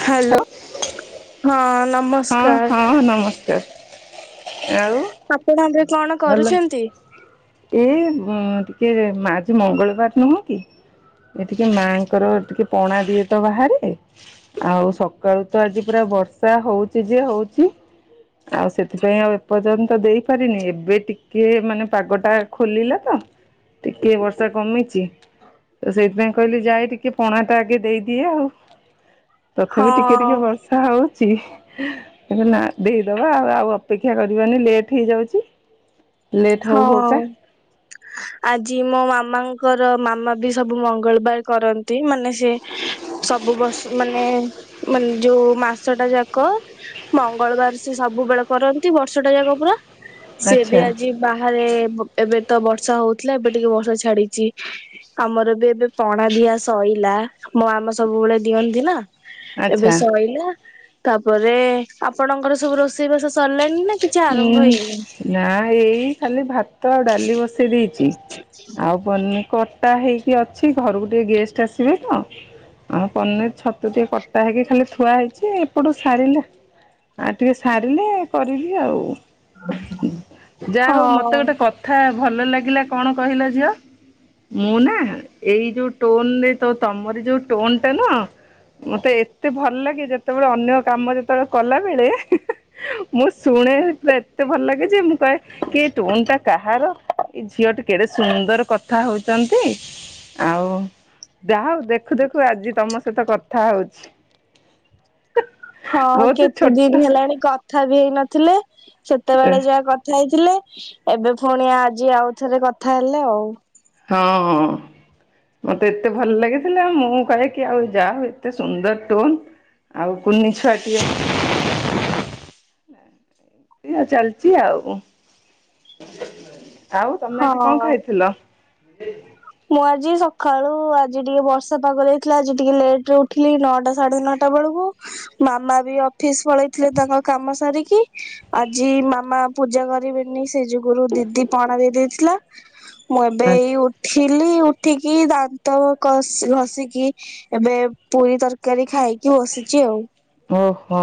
Hello hello ହଁ ହଁ ନମସ୍କାର ହଁ ନମସ୍କାର। ଆଉ ଆପଣ ଏବେ କଣ ଭଲ କରୁଛନ୍ତି? ଏଇ କି ଆଜି ମଙ୍ଗଳବାର ନୁହଁ କି? ଏ ଟିକେ ମାଙ୍କର ଟିକେ ପଣା ଦିଏ ତ ବାହାରେ ଆଉ ସକାଳୁ ତ ଆଜି ପୁରା ବର୍ଷା ହଉଛି ଯେ ହଉଛି ଆଉ ସେଥିପାଇଁ ଆଉ ଏପର୍ଯ୍ୟନ୍ତ ଦେଇପାରିନି ଏବେ ଟିକେ ମାନେ ପାଗ ଟା ଖୋଲିଲା ତ ଟିକେ ବର୍ଷା କମିଚି। ତ ସେଥିପାଇଁ କହିଲି ଯାଏ ଟିକେ ପଣା ଟା ଆଗେ ଦେଇଦିଏ ଆଉ ତଥାପି ଟିକେ ହଁ ଟିକେ ବର୍ଷା ହଉ ଛି ନା ଦେଇଦବା ଆଉ ଆଉ ଅପେକ୍ଷା କରିବନି ଲେଟ୍ ହେଇଯାଉଛି ଲେଟ ହଉ ହଉକା ହଁ ଆଜି ମୋ ମାମାଙ୍କର ମାମା ବି ସବୁ ମଙ୍ଗଳବାର କରନ୍ତି ମାନେ ସେ ସବୁ ବର୍ଷ ମାନେ ମାନେ ଯୋଉ ମାସ ଟା ଯାକ ମଙ୍ଗଳବାର ସେ ସବୁବେଳେ କରନ୍ତି ବର୍ଷଟା ଯାକ ପୁରା ସିଏ ବି ଆଚ୍ଛା ଆଜି ବାହାରେ ଏବେ ତ ବର୍ଷା ହଉଥିଲା ଏବେ ଟିକେ ବର୍ଷା ଛାଡିଛି ଆମର ବି ଏବେ ପଣା ଦିଆ ସଇଲା। ମୋ ମାମା ସବୁବେଳେ ଦିଅନ୍ତି ନା ଏବେ ଆଚ୍ଛା। ସଇଲା ତାପରେ ଆପଣଙ୍କର ସବୁ ରୋଷେଇ ବାସ ହୁଁ ନା ଏଇ ଖାଲି ଭାତ ଆଉ ଡାଲି ବସ୍ [inaudible] ଦେଇ ଆଉ [inaudible] ଖଟା ହେଇକି ଅଛି ଘରକୁ ଟିକେ ଗେଷ୍ଟ ଆସିବେ ତ ଆମ ପନିର୍ ଛତୁ ଟିକେ କଟା ହେଇକି ଖାଲି ଥୁଆ ହେଇଛି ଏପଟୁ ସାରିଲେ ଆଉ ଟିକେ ସାରିଲେ କରିବି ଆଉ ଯାହା ହଉ ମତେ ହଁ ଗୋଟେ କଥା ଭଲ ଲାଗେ ଲାଗିଲା କଣ କହିଲା ଝିଅ ମୁଁ ନା ଏଇ ଯୋଉ ଟୋନ ତ ତମର ଯୋଉ ଟୋନ ଟା ନ ମତେ ଏତେ ଭଲ ଲାଗେ ଯେତେବେଳେ ଅନ୍ୟ କାମ ଯେତେବେଳେ କଲାବେେଳେ ମୁଁ ଶୁଣେ ଏତେ ଭଲ ଲାଗେ ଯେ ମୁଁ କହେ କି ଟୋନ୍ ଟା କାହାର ଏ ଝିଅ ଟ କେଡେ ସୁନ୍ଦର କଥା ହଉଛନ୍ତି ଆଉ ଯା ହଉ ଦେଖୁ ଦେଖୁ ଆଜି ତମ ସହିତ କଥା ହଉଛି ହଁ ବହୁତ କେତେ ଛୋଟ ଦିନ ହେଲାଣି କଥା ବି ହେଇ ନଥିଲେ ସେତେବେଳେ ଯାହା କଥା ହେଇଥିଲେ ଏବେ ପୁଣି ଆଜି ଆଉଥରେ କଥା ହେଲେ ଆଉ ହୁଁ ହୁଁ ମତେ ଏତେ ଭଲ ଲାଗିଥିଲା ମୁଁ କହେକି ଆଉ ଯା ଏତେ ସୁନ୍ଦର ଟୋନ ଆଉ କୁନି ଛୁଆଟିଏ [unintelligible] [inaudible] ଏୟା ଚାଲିଛି ଆଉ [unintelligible] ଆଉ ତମେ ଆଜି କଣ ହଁ। ଖାଇଥିଲ--? ମୁଁ ଆଜି ସକାଳୁ ଆଜି ଟିକେ ବର୍ଷା ପାଗଦେଇଥିଲା ଆଜି ଟିକେ ଲେଟରେ ଉଠିଲି ନଅଟା ସାଢେ ନଅଟା ଚାରିଟା ବେଳକୁ ମାମା ବି ଅଫିସ ପଳେଇଥିଲେ ତାଙ୍କ କାମ ସାରିକି ଆଜି ମାମା ପୂଜା କରିବିନି ସେ ଯୁଗରୁ ଦିଦି ପାଣା ଦେଇ ଦେଇଥିଲା ମୁଁ ଏବେ ଏଇ ଥିଲି ଉଠିକି ଦାନ୍ତ କଷି ଘଷିକି ଏବେ ପୁରୀ ତରକାରୀ ଖାଇକି କି ବସିଛି ଆଉ। ଓହୋ।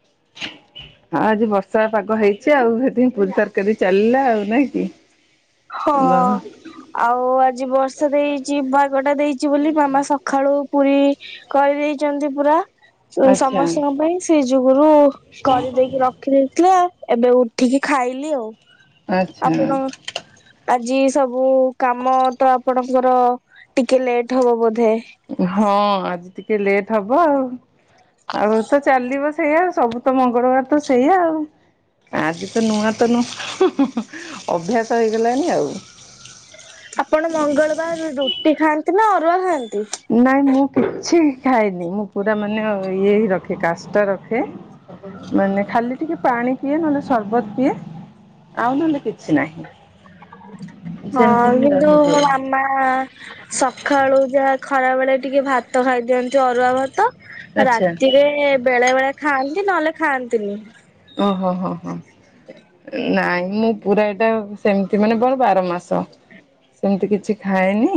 [inaudible] ହଁ ଆଜି ବର୍ଷା ପାଗ ହେଇଛି ଆଉ ସେଠି ପୁରୀ ତରକାରୀ ଚାଲିଲା ଆଉ ନାଇଁ କି। ହଁ ଆଉ ଆଜି ବର୍ଷା ଦେଇଛି ବାଗଟା ଦେଇଛି ବୋଲି ମାମା ସକାଳୁ ପୁରୀ କରିଦେଇଛନ୍ତି ପୁରା ଆଚ୍ଛା ସମସ୍ତଙ୍କ ପାଇଁ ସେ ଯୁଗରୁ। କରିଦେଇକି ରଖିଦେଇଥିଲେ ଏବେ ଉଠିକି ଖାଇଲି ଆଉ। ଆଚ୍ଛା। ଆପଣ ଆଜି ସବୁ କାମ ତ ଆପଣଙ୍କର ଟିକେ ଲେଟ୍ ହବ ବୋଧ। ହଁ ଆଜି ଟିକେ ଲେଟ ହବ ଆଉ। ଆଉ ତ ଚାଲିବ ସେଇଆ ସବୁ ତ ମଙ୍ଗଳବାର ତ ସେଇଆ ଆଉ। ଆଜି ତ ନୂଆ ତ ନ ହୁ ହୁ ଅଭ୍ୟାସ ହେଇଗଲାଣିି ଆଉ। ଆପଣ ମଙ୍ଗଳବାର ରୁଟି ଖାଆନ୍ତି ନା ଅରୁଆ ଖାଆନ୍ତି। ନାଇଁ ମୁଁ କିଛି। ଖାଇନି ମୁଁ ପୁରା ମାନେ ଇଏ ହି ରଖେ କାଷ୍ଟ ରଖେ। ମାନେ ଖାଲି ଟିକେ ପାଣି ପିଏ ନହେଲେ ସରବତ ପିଏ। ଆଉ ନହେଲେ କିଛି ନାହିଁ। ହଁ ସେମିତି ହିଁ କିନ୍ତୁ ମୋ ରହିଯାଏ ମାମା ସକାଳୁ ଯାହା। ଖରା ବେଳେ ଟିକେ ଭାତ ଖାଇ ଦିଅନ୍ତି ଅରୁଆ ଭାତ ଆଚ୍ଛା ରାତିରେ ବେଳେ ବେଳେ ଖାଆନ୍ତି ନହେଲେ ଖାଆନ୍ତିନି। ଓହୋ ହୋ ହୋ ନାଇଁ। ମୁଁ ପୁରା ଏଇଟା ସେମିତି ମାନେ ବଣ ବାର ମାସ। ସେମିତି କିଛି ଖାଏନି।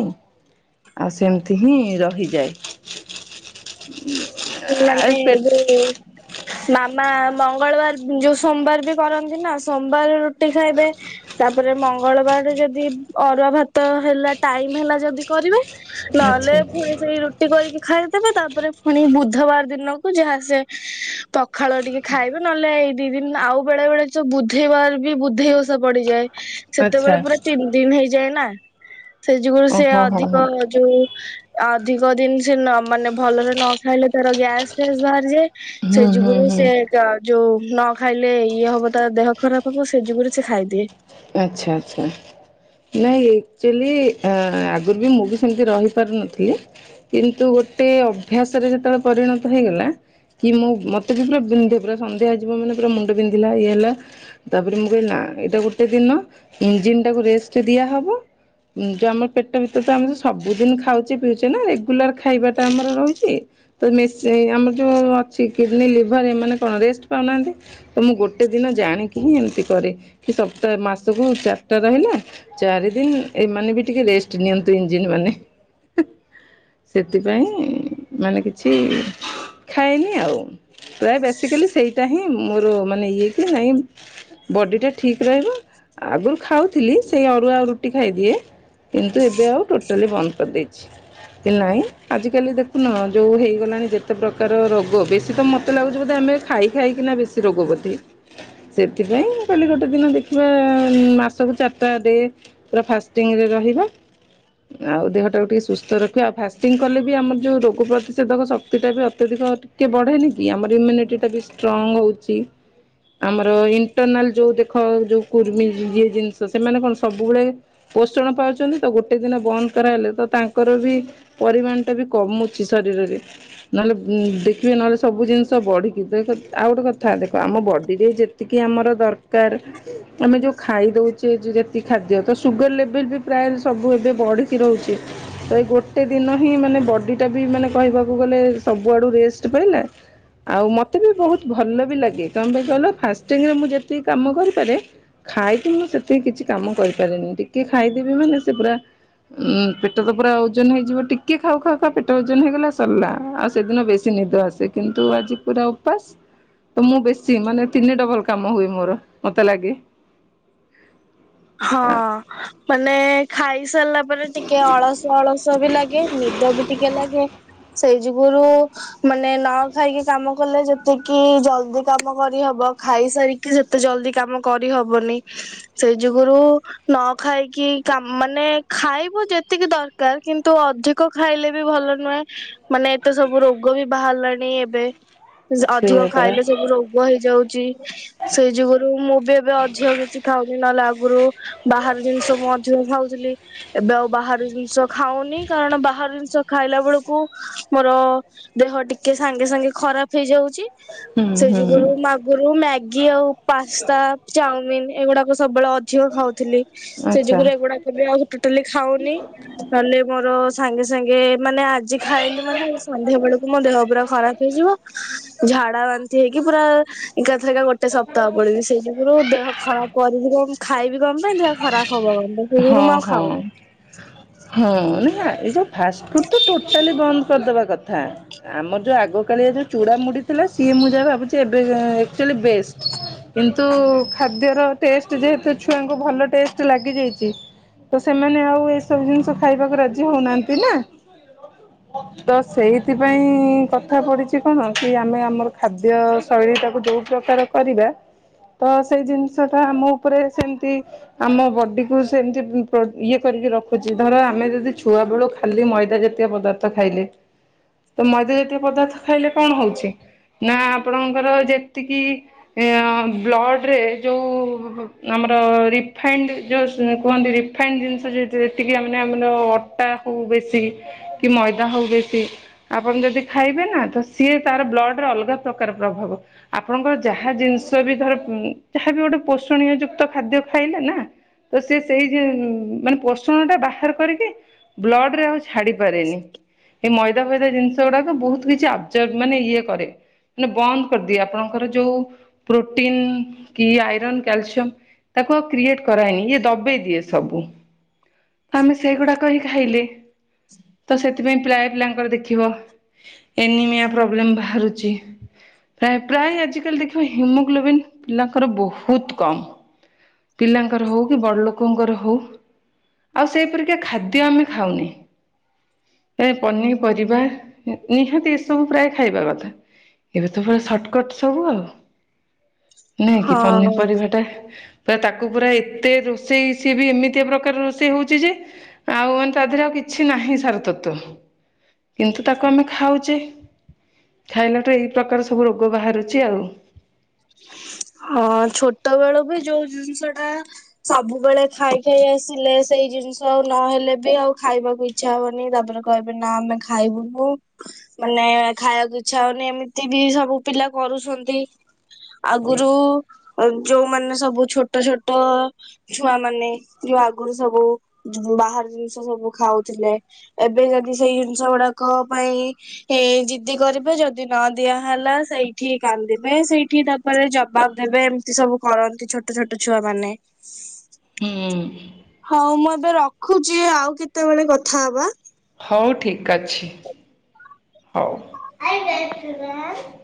ଆଉ ସେମିତି ହିଁ ରହିଯାଏ। ଆଉ ନିନେ ପେ ଏୁ ମାମା ମଙ୍ଗଳବାର ଯୋଉ ସୋମବାର ବି କରନ୍ତି ନା ସୋମବାର ରୁଟି ଖାଇବେ। ତାପରେ ମଙ୍ଗଳବାରରେ ଯଦି ଅରୁଆ ଭାତ ହେଲା ଟାଇମ ହେଲା ଯଦି କରିବେ। ନହେଲେ ଆଚ୍ଛା ପୁଣି ସେଇ ରୁଟି କରିକି ଖାଇଦେବେ ତାପରେ ପୁଣି ବୁଧବାର ଦିନକୁ ଯାହା ସେ ପଖାଳ ଟିକେ ଖାଇବେ ନହେଲେ ଏଇ ଦି ଦିନ ଆଉ ବେଳେ ବେଳେ ଯ। ବୁଧେଇବାର ବି ବୁଧେଇ ଓଷା ପଡିଯାଏ ଆଚ୍ଛା। ସେତେବେଳେ ପୁରା ତିନି ଦିନ ହେଇଯାଏ ନା। ସେ ଯୁଗୁରୁ ସେ ଓହୋ ହଁ ଅଧିକ ହଁ ଯୋଉ ଅଧିକ ଦିନ ସେ ମାନେ ଭଲରେ ନ ଖାଇଲେ ତାର ଗ୍ୟାସ ଫ୍ୟାସ୍ ବାହାରିଯାଏ ସେ ହୁଁ ହୁଁ ଯୁଗୁରେ ହୁଁ ସେ ଜ ଯୋଉ। ନ ଖାଇଲେ ଇଏ ହବ ତା ଦେହ ଖରାପ ହବ ସେ ଯୁଗରେ ସେ ଖାଇଦିଏ। ଆଚ୍ଛା ଆଚ୍ଛା। ନାଇଁ ଆଚୁଆଲି ଆ ଆଗରୁ ବି ମୁଁ ବି ସେମିତି ରହି ପାରୁନଥିଲି। କିନ୍ତୁ ଗୋଟେ ଅଭ୍ୟାସରେ ଯେତେବେଳେ ପରିଣତ ହେଇଗଲା। କି ମୁଁ ମତେ ବି ପୁରା ପନ୍ଧିବେ ପୁରା ସନ୍ଧ୍ୟା ଆଯିବ ମାନେ ପୁରା ମୁଣ୍ଡ ପନ୍ଧିଲା ଇଏ ହେଲା ତାପରେ ମୁଁ କହିଲି ନା ଏଇଟା ଗୋଟେ ଦିନ ଇଞ୍ଜିନ ଟାକୁ ରେଷ୍ଟ ଦିଆ ହବ। ଯଉ ଆମର ପେଟ ଭିତରେ ତ ଆମେ ସବୁଦିନ ଖାଉଛେ ପିଉଛେ ନା ରେଗୁଲାର ଖାଇବାଟା ଆମର ରହୁଛି। ତ ମେସି ଆମର ଯୋଉ ଅଛି କିଡନୀ ଲିଭରଏମାନେ କଣ ରେଷ୍ଟ ପାଉନାହାନ୍ତି ତ ମୁଁ ଗୋଟେ ଦିନ ଦିନ ଜାଣିକି ହିଁ ଏମିତି କରେ କି ସବୁ। ମାସକୁ ଚାରିଟା ରହିଲା ଚାରି ଦିନ ଏମାନେ ବି ଟିକେ ରେଷ୍ଟ ନିଅନ୍ତୁ ଇଞ୍ଜିିନ ମାନେ। ସେଥିପାଇଁ ମାନେ କିଛି ଖାଏନି ଆଉ। ପ୍ରାୟ ବେସିକାଲି ସେଇଟା ହିଁ ମୋର ମାନେ ଇଏ କି ନାଇଁ ବଡ଼ି ଟା ଠିକ୍ ରହିବ ଆଗରୁ ଖାଉଥିଲି ସେଇ ଅରୁଆ ଆଉ ରୁଟି ଖାଇଦିଏ। କିନ୍ତୁ ଏବେ ଆଉ ଟୋଟାଲି ବନ୍ଦ କରିଦେଇଚି। ନାଇଁ ଆଜିକାଲି ଦେଖୁନ ଯୋଉ ହେଇଗଲାଣି ଯେତେ ପ୍ରକାର ରୋଗ ବେଶୀ ତ ମତେ ଲାଗୁଛି ବୋଧେ ଆମେ ଖାଇ ଖାଇକିନା ବେଶୀ ରୋଗବଧୀ ସେଥିପାଇଁ କହିଲି ଗୋ ସେ ଦିନ ଦେଖିବା ମାସକୁ ଚାରିଟା ଡେ ପୁରା ଫାଷ୍ଟିଙ୍ଗ୍ ରେ ରହିବା। ଆଉ ଦେହଟାକୁ ଟିକେ ସୁସ୍ଥ ରଖିବା ଆଉ ଫାଷ୍ଟିଂ କଲେ ବି ଆମର ଯୋଉ ରୋଗ ପ୍ରତିଷେଧକ ଶକ୍ତି ଟା ବି ଅତ୍ୟଧିକ ଟିକେ ବଢେନି କି ଆମର ଇମ୍ୟୁନିଟି ଟା ବି ଷ୍ଟ୍ରଙ୍ଗ୍ ହଉଛି। ଆମର ଇଣ୍ଟରନାଲ ଯୋଉ ଦେ ଯୋଉ କୃମି ଇଏ ଜିନିଷ ସେମାନେ କଣ ସବୁବେଳେ ପୋଷଣ ପାଉଛନ୍ତି ତ ଗୋଟେ ଦିନ ବନ୍ଦ କରାଗଲେ ତାଙ୍କର ବି ପରିମାଣଟା ବି କମୁଚି ଶରୀରରେ ନହେଲେ ନହେଲେ ସବୁ ଜିନିଷ ବଢି଼କି ଦେଖ ଆଉ ଗୋଟେ କଥା ଦେଖ ଆମ ବଡିରେ ଯେତିକି ଆମର ଦର [unintelligible] ଆମେ ଯୋଉ ଖାଇ ଦଉଚେ [unintelligible] ଖାଦ୍ୟ ତ ସୁଗର ଲେବଲ ବି ପ୍ରାୟ ସବୁ ଏବେ ବ ବଢ଼ିକି ରହୁଛି ତ ଏଇ ଗୋଟେ ଦିନ ହିଁ ମାନେ ବଡି ଟା ବି ‌ମାନେ କହିବାକୁ ଗଲେ ସବୁଆଡୁ ରେ [unintelligible] ଆଉ ମତେ ବି ବହୁତ୍ ଭଲ ବି ଲାଗେ କଣ ପାଇଁ କହିଲ ଫାଷ୍ଟିଂ ରେ ମୁଁ ଯେତେ [unintelligible] କାମ କରିପାରେ ଖାଇକି ମୁଁ ସେତିକି କିଛି କାମ କରିପାରେନି ଟିକେ ଖାଇଦେବି ମାନେ ସେ ପୁରା ଉଁ ପେଟ ତ ପୁରା ଓଜନ ହେଇଯିବ ଟିକେ ଖାଉ ଖାଉ [unintelligible] ପେଟ ଓଜନ ହେଇଗଲା ସରିଲା ଆଉ ସେଦିନ ବେଶୀ ନିଦ ଆସେ କିନ୍ତୁ ଆଜି ପୁରା ଉପାସ ତ ମୁଁ ବେଶୀ ମାନେ ତିନି ଡବଲ କାମ ହୁଏ। ମୋର ମତେ ଲାଗେ ହଁ ମାନେ ଖାଇସାରିଲା ପରେ ଟିକେ ଅଳସ ଅଳସ ବି ଲାଗେ ନିଦ ବି ଟିକେ ଲାଗେ ସେଇ ଗୁରୁ ମାନେ ନ ଖାଇକି କାମ କଲେ ଯେତିକି ଜଲଦି କାମ କରିହବ ଖାଇ ହେଇସାରିକି ଯେତେ ଜଲଦି କାମ କରିହବନି ସେ [unintelligible] ନ ଖାଇକି କା ମାନେ ଖାଇବୁ ଯେତିକି ଦରକାର କିନ୍ତୁ ଅ [unintelligible] [unintelligible] ଖାଇଲେ ବି ଭଲ ନୁହେଁ ମାନେ ଏତେ ସବୁ ରୋଗ ବି ବାହାରିଲାଣି ଏବେ ଅଧିକ ସେଇଆ ପରା ଖାଇଲେ ସବୁ ରୋଗ ହେଇଯାଉଚି ସେଇ ଯୁଗୁରୁ ମୁଁ ବି ଏବେ ଅଧିକ କିଛି ଖାଉ ନହେଲେ ଆଗରୁ ବାହାର ଜିନିଷ ମୁଁ ମଧ୍ୟ ଖାଉଥିଲି। ଏବେ ଆଉ ବାହାର ଜିନିଷ ଖାଉନି କାରଣ ବାହାର ଜିନିଷ ଖାଇଲା ବେଳକୁ ମୋର ଦେହ ଟିକେ ସାଙ୍ଗେ ସାଙ୍ଗେ ଖରାପ ହେଇଯାଉଚି । ସେ ହୁଁ ହୁଁ ଯୁଗରୁ [unintelligible] ମ୍ୟାଗି ଆଉ ପାସ୍ତା ଚାଉମିିନ୍ ଏଗୁଡ଼ାକ ସବୁବେଳେ ଅ ଅଧିକ ଖାଉଥିଲି ସେ ଯୁ ଆଚ୍ଛା ଏଗୁଡା କେବେ ଆଉ ଟୋଟାଲି ଖାଉନି ନହେଲେ ମୋର ସାଙ୍ଗେ ସାଙ୍ଗେ ମାନେ ଆଜି ଖାଇଲି ମାନେ ଆ ସନ୍ଧ୍ୟା ବେଳକୁ ମୋ ଦେହ ପୁରା ଖରାପ ହେଇଯିବ। ଝାଡା ବାନ୍ତି ହେଇକି ପୁରା ଏକାଥରେ ଏକା ଗୋଟେ ସପ୍ତାହ ପଡ଼ିଲି ସେ ଯୁଗୁରୁ ଦେହ ଖରାପ [unintelligible] ଖାଇବି କଣ ପାଇଁ ଦେହ ଖରାପ ହବ ହଁ [unintelligible] ଆଉ ହଁ ଖାଉନି। ହଁ ନା ଏଇ ଯୋଉ ଫାଷ୍ଟ ଫୁଡ୍ ତ ଟୋଟାଲି ବନ୍ଦ କରିଦବା କଥା ଆମର ଯୋଉ ଆଗ କାଳିଆ ଯୋଉ ଚୁଡ଼ା ମୁଢ଼ି ଥି ସିଏ ମୁଁ ଯାହା ଭାବୁଛି ଏବେ ଏକଚ୍ୟୁଲି ବେଷ୍ଟ୍। କିନ୍ତୁ ଖାଦ୍ୟର ଟେଷ୍ଟ୍ ଯେହେତୁ ଛୁଆ ଙ୍କୁ ଭଲ ଟେଷ୍ଟ୍ ଲାଗିଯାଇ ତ ସେମାନେ ଆଉ ଏସବୁ ଜିନିଷ ଖାଇବାକୁ ରାଜି ହଉନାହାନ୍ତି ନା। ତ ସେଇଥିପାଇଁ କଥା ପଡ଼ିଚି କଣ କି ଆମେ ଆମର ଖାଦ୍ୟ ଶୈ ଲି ତାକୁ ଯୋଉ ପ୍ରକାର କରିବା। ତ ସେଇ ଜିନିଷ ଟା ମୋ ଉପରେ ସେମିତି ଆମ ବଡ଼ି ସେମିତି ଇଏ କରିକି ରଖୁଛି ଧର ଆମେ ଯଦି ଛୁଆବେଳୁ ଖାଲି ମଇଦା ଜାତୀୟ ପଦାର୍ଥ ଖାଇ ତ ମଇଦା ଜାତୀୟ ପଦାର୍ଥ ଖାଇଲେ କଣ ହଉଛି? ନା ଆପଣଙ୍କର ଯେତିକି ବ୍ଲଡ଼ ରେ ଯୋଉ ଆ ରିଫାଇନ୍। କୁହନ୍ତି ରିଫାଇନି ଜିନିଷ ଯେ ଯେତିକି ମାନେ ଆମର ଅଟା ହଉ ବେଶୀ କି ମ ମଇଦା ହଉ ବେଶି ଆପଣ ଯଦି ଖାଇବେ ନା ତ ସିଏ ତାର ବ୍ଲଡ ଅଲଗା ପ୍ରକାର ପ୍ରଭାବ। ଆପଣଙ୍କର ଯାହା ଜିନିଷ ବି ଧର ଯାହା ବି ଗୋଟେ ପୋଷଣୀୟ ଯୁକ୍ତ ଖାଦ୍ୟ ଖାଇଲେ ନା ତ ସେ ସେଇ ଯ ମାନେ ପୋଷଣ ଟା ବାହାର କରିକି ବ୍ଲଡ ରେ ଆଉଛି। ଛାଡି ପାରେନି ଏଇ ମଇଦା ଫଇଦା ଜିନିଷ ଗୁଡାକ ବହୁତ କିଛି ଅବଜର୍ଭ ମାନେ ଇଏ କରେ। ମାନେ ବନ୍ଦ କରିଦିଏ ଆପଣଙ୍କର ଯୋଉ ପ୍ରୋଟିନ କି ଆଇରନ୍ କ୍ୟାଲସିୟମ ତାକୁ ଆଉ କ୍ରିଏଟ କରାଏନି। ଇଏ ଦବେଇ ଦିଏ ସବୁ ତ ଆମେ ସେଗୁଡ଼ାକ ହିଁ ଖାଇଲେ, ତସେ ଥିପାଇଁ ପ୍ରାୟ ପିଲାଙ୍କର ଦେଖିବ ଏନିମିଆ ପ୍ରୋବ୍ଲେମ ବାହାରୁଚି। ପ୍ରାୟ ପ୍ରାୟ ଆଜିକାଲି ଦେଖିବା ହିମୋଗ୍ଲୋବିନ୍ ପିଲାଙ୍କର ବହୁତ କମ୍। ପିଲାଙ୍କର ହଉ ବଡ଼ଲୋକଙ୍କର ହଉ ଆଉ ସେପରିକି ଖାଦ୍ୟ ଆମେ ଖାଉନେ। ପନିପରିବା ନି ନିହାତି ଏସବୁ ପ୍ରାୟ ଖାଇବା କଥା। ଏବେ ତ ପୁରା ସର୍ଟକଟ ସବୁ ଆଉ। ନାଇଁ କି ହଁ ପନିପରିବା ଟା ପୁରା ତାକୁ ପୁରା ଏତେ ରୋଷେଇ ସିଏ ବି ଏମିତିଆ ପ୍ରକାର ର ରୋଷେଇ ହଉଚି ଯେ ଆଉ ମାନେ ତା ଦେହରେ ଆଉ କିଛି ନାହିଁ ସାର ତତ୍ଵ। [inaudible] କିନ୍ତୁ ତାକୁ ଆମେ ଖାଉଚେ। ଖାଇଲେତ ଏଇ ପ୍ରକାର ସବୁ ରୋଗ ବାହାରୁଚି ଆଉ। ହଁ ଛୋଟ ବେଳୁ ବି ଯୋଉ ଜିନିଷ ଟା ସବୁବେଳେ ଖାଇ ଖାଇ ଆସିଲେ ସେଇ ଜିନିଷ ଆଉ ନହେଲେ ବି ଆଉ ଖାଇବାକୁ ଇଚ୍ଛା ହବନି ତାପରେ କହିବେ ନା ଆମେ ଖାଇବୁନୁ ମାନେ ଖାଇବାକୁ ଇଚ୍ଛା ହଉନି। ଏମିତି ବି ସବୁ ପିଲା କରୁଚନ୍ତି ଆଗୁରୁ ଯୋଉମାନେ ସବୁ ଛୋଟ ଛୋଟ ଛୁଆ ମାନେ ଯଉ ଆଗୁରୁ ସବୁ ବାହାର ଜିନିଷ ସବୁ ଖାଉଥିଲେ ଏବେ ଯଦି ସେଇ ଜିନିଷ ଗୁଡାକ ପାଇଁ ଜିଦି କରିବେ ଯଦି ନ ଦିଆହେଲା ସେଇଠି କାନ୍ଦିବେ ସେଇଠି ତା ପରେ ଜବାବ ଦେବେ ଏମିତି ସବୁ କରନ୍ତି ଛୋଟ ଛୋଟ ଛୁଆ ମାନେ। ହୁଁ। ହଉ ମୁଁ ଏବେ ରଖୁଚି ଆଉ କେତେବେଳେ କଥା ହବା। ହଉ ଠିକ୍ ଅଛି ହଉ ହଉ।